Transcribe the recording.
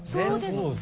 そうです。